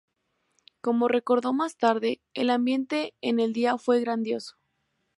Como recordó más tarde: "El ambiente en el día fue grandioso.